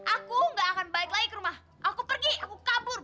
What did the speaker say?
aku gak akan baik lagi ke rumah aku pergi aku kabur